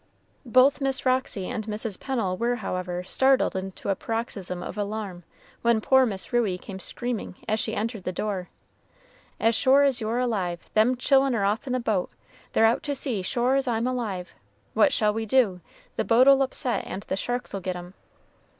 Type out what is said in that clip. Both Miss Roxy and Mrs. Pennel were, however, startled into a paroxysm of alarm when poor Miss Ruey came screaming, as she entered the door, "As sure as you're alive, them chil'en are off in the boat, they're out to sea, sure as I'm alive! What shall we do? The boat'll upset, and the sharks'll get 'em."